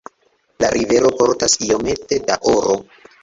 La rivero portas iomete da oro.